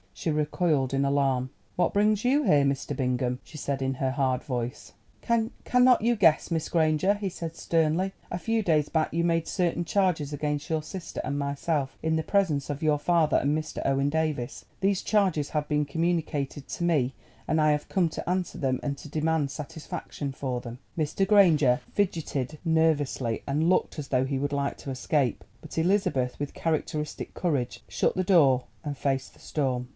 She recoiled in alarm. "What brings you here, Mr. Bingham?" she said, in her hard voice. "Cannot you guess, Miss Granger?" he said sternly. "A few days back you made certain charges against your sister and myself in the presence of your father and Mr. Owen Davies. These charges have been communicated to me, and I have come to answer them and to demand satisfaction for them." Mr. Granger fidgeted nervously and looked as though he would like to escape, but Elizabeth, with characteristic courage, shut the door and faced the storm.